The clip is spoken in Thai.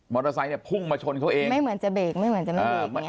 ไซค์เนี่ยพุ่งมาชนเขาเองไม่เหมือนจะเบรกไม่เหมือนจะไม่เบรก